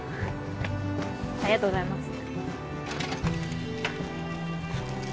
ありがとうございます。